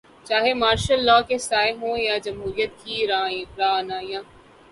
چاہے martial law کے سائے ہوں یا جمہوریت کی رعنائیاں۔